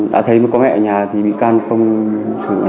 đã thấy có mẹ ở nhà thì bị can không sửa